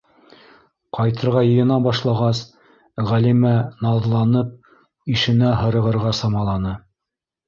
Ҡайтырға йыйына башлағас, Ғәлимә, наҙланып, ишенә һырығырға самаланы: